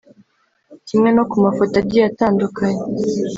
Kimwe no ku mafoto agiye atandukanye